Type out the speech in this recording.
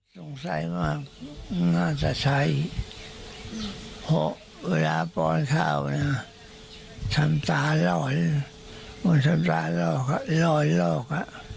สงสัยมากน่าจะใช้๖เวลาปอนด์ข้าวเนี่ยทำตาหล่อยมันทำตาหล่อยหลอก